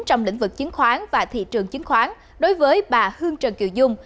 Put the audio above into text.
trong lĩnh vực chứng khoán và thị trường chứng khoán đối với bà hương trần kiều dung